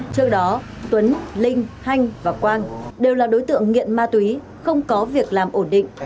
trước đó tuấn linh hanh và quang đều là đối tượng nghiện ma túy không có việc làm ổn định